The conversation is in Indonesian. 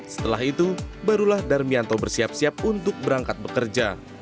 setelah itu barulah darmianto bersiap siap untuk berangkat bekerja